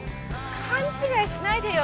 勘違いしないでよ。